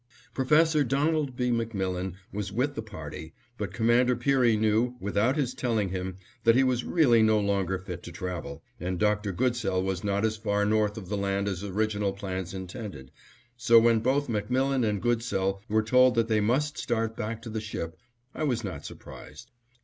Prof. Donald B. MacMillan was with the party, but Commander Peary knew, without his telling him, that he was really no longer fit to travel, and Dr. Goodsell was not as far north of the land as original plans intended, so when both MacMillan and Goodsell were told that they must start back to the ship, I was not surprised.